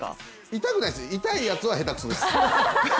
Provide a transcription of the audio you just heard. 痛くないです、痛いやつは下手くそです。